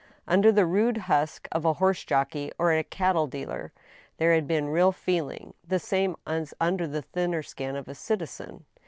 Under the rude husk of a horses jockey or a cattle dealer there had been real feeling, the same as under the thinner skin of a citizen.